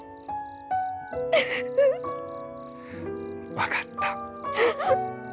分かった。